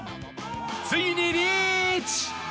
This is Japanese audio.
ついにリーチ！